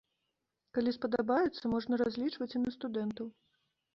Калі спадабаецца, можна разлічваць і на студэнтаў.